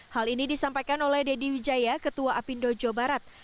hal ini disampaikan oleh deddy wijaya ketua apindo jawa barat